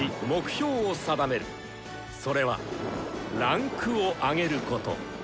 それは「位階を上げる」こと。